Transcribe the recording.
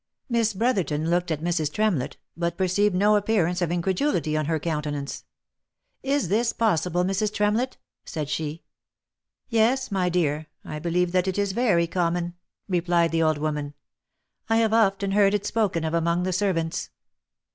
Miss Brotherton looked at Mrs. Tremlett, but perceived no appear ance of incredulity on her countenance. " Is this possible, Mrs. Tremlett?" said she. " Yes, my dear, I believe that it is very common," replied the old woman. " I have often heard it spoken of among the servants."